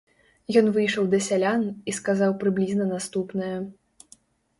Ён выйшаў да сялян і сказаў прыблізна наступнае.